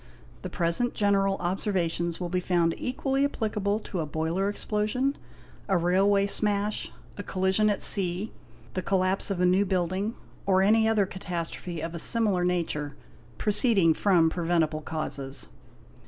The present general observations will be found equally applicable to a boiler explosion, a railway smash, a collision at sea, the collapse of a new building, or any other catastrophe of a similar nature, proceeding from preventible causes.